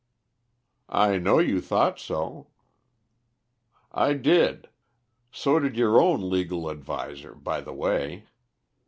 "I know you thought so." "I did; so did your own legal adviser, by the way.